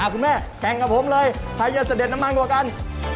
คุณแม่แข่งกับผมเลยใครจะเสด็จน้ำมันกว่ากัน